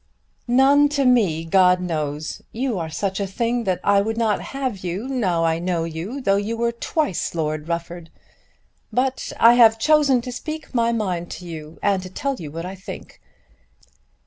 "None to me, God knows. You are such a thing that I would not have you now I know you, though you were twice Lord Rufford. But I have chosen to speak my mind to you and to tell you what I think.